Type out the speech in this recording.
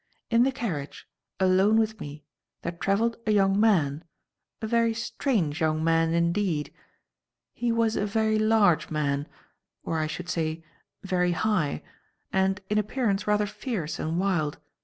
In the carriage, alone with me, there travelled a young man, a very strange young man indeed. He was a very large man or, I should say, very high and in appearance rather fierce and wild.